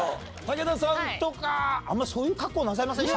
武田さんとかあんまりそういう格好なさいません？